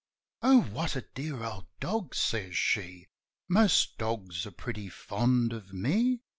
"Oh, what a dear old dog!" says she. "Most dogs are pretty fond of me."